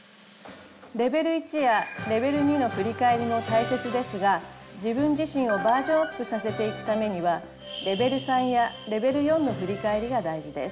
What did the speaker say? レベル１やレベル２の振り返りも大切ですが自分自身をバージョンアップさせていくためにはレベル３やレベル４の振り返りが大事です。